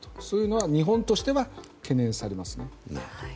そういうのは日本としては懸念されますね。